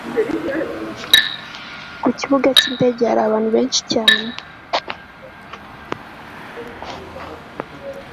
Ku kibuga cyindege hari abantu benshi cyane